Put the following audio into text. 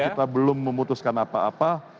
kita belum memutuskan apa apa